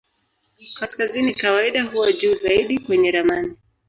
Kaskazini kawaida huwa juu zaidi kwenye ramani.